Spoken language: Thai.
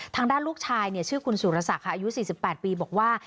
ทางด้านลูกชายชื่อคุณสุรศักดิ์อายุ๔๘ปีบอกว่า